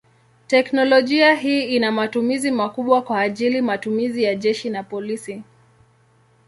Teknolojia hii ina matumizi makubwa kwa ajili matumizi ya jeshi na polisi.